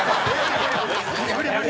無理無理。